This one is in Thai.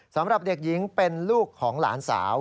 สำหรับเด็กหญิงเป็นลูกของหลานสาว